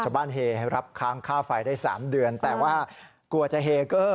ชาวบ้านเฮรับค้างค่าไฟได้๓เดือนแต่ว่ากลัวจะเฮเกอร์